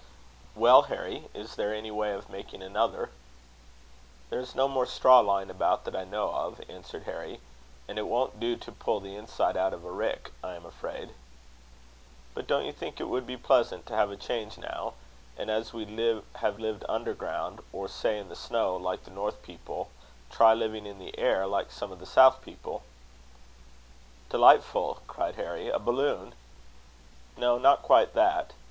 "Well, Harry, is there any way of making another?" "There's no more straw lying about that I know of," answered Harry; "and it won't do to pull the inside out of a rick, I am afraid." "But don't you think it would be pleasant to have a change now; and as we have lived underground, or say in the snow like the North people, try living in the air, like some of the South people?" "Delightful!" cried Harry. "A balloon?" "No, not quite that.